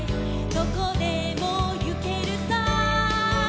どこでもゆけるさ」